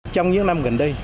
trong những năm gần đây